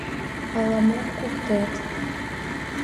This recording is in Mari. — Ала-мом куктет.